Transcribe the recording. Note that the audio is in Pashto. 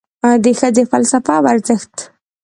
د ښځې فلسفه او ارزښت